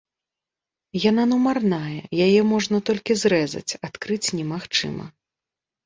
Яна нумарная, яе можна толькі зрэзаць, адкрыць немагчыма.